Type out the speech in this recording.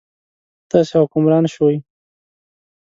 تاسې حکمران شوئ.